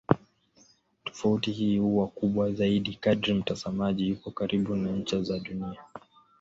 Tofauti hii huwa kubwa zaidi kadri mtazamaji yupo karibu na ncha za Dunia.